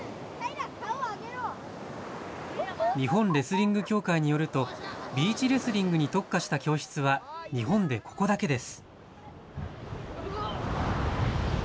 日本レスリング協会によると、ビーチレスリングに特化した教室は日本でここだけです。